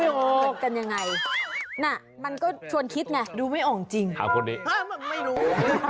มันกันยังไงน่ะมันก็ชวนคิดไงดูไม่ออกจริงหาคนเด็กไม่รู้